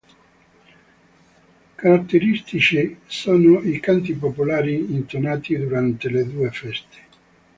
Caratteristici sono i canti popolari intonati durante le due feste.